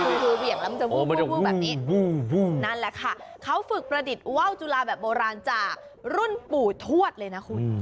คือเหวี่ยงแล้วมันจะวูบแบบนี้นั่นแหละค่ะเขาฝึกประดิษฐ์ว่าวจุลาแบบโบราณจากรุ่นปู่ทวดเลยนะคุณ